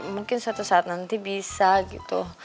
mungkin suatu saat nanti bisa gitu